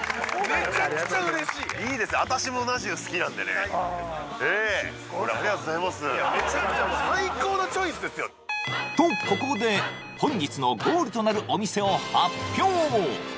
めちゃくちゃ最高のチョイスですよとここで本日のゴールとなるお店を発表